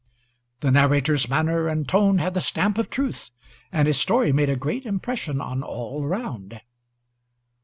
The narrator's manner and tone had the stamp of truth, and his story made a great impression on around.